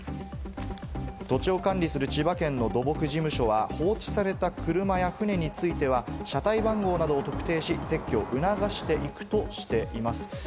土地を管理する千葉県の土木事務所は、放置された車や船については、車体番号などを特定し、撤去を促していくとしています。